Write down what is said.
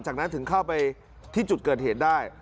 จากนั้นถึงเข้าไปที่จุดเกิดเหตุได้